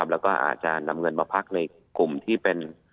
แล้วก็อาจจะนำเงินมาพักในกลุ่มที่เป็น